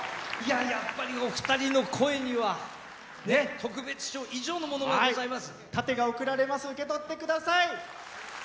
やっぱりお二人の声には特別賞以上のものがございます。